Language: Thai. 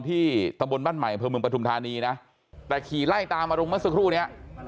ที่ตระบวนบ้านใหม่เผื่อเมืองประธุมธานีแต่ขี่ไล่ตามมาลงเมื่อสักครู่นี้